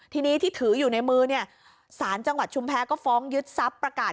ทีนี้ที่ถืออยู่ในมือเนี่ยสารจังหวัดชุมแพ้ก็ฟ้องยึดทรัพย์ประกาศ